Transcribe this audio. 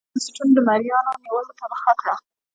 ټولو بنسټونو د مریانو نیولو ته مخه کړه.